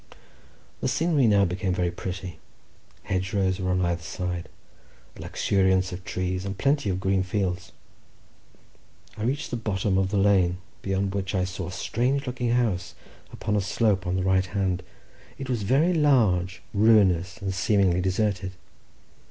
The scenery now became very pretty—hedge rows were on either side, a luxuriance of trees, and plenty of green fields. I reached the bottom of the lane, beyond which I saw a strange looking house upon a slope on the right hand. It was very large, ruinous, and seemingly deserted.